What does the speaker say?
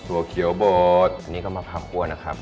อันนี้ก็มะพร้าวคั่วนะครับ